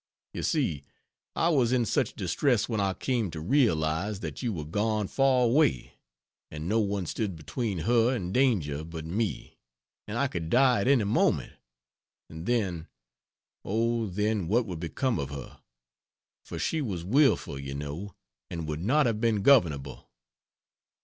You see, I was in such distress when I came to realize that you were gone far away and no one stood between her and danger but me and I could die at any moment, and then oh then what would become of her! For she was wilful, you know, and would not have been governable.